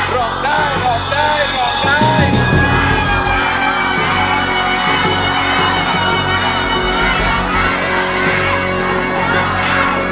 ร้องได้ร้องได้